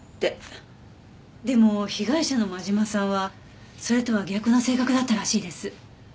でも被害者の真島さんはそれとは逆の性格だったらしいです。